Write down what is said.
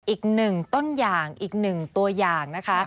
อีกหนึ่งต้นอย่างอีกหนึ่งตัวอย่างนะคะ